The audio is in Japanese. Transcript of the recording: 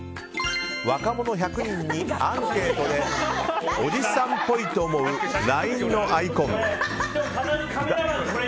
若者１００人にアンケートでおじさんっぽいと思うＬＩＮＥのアイコン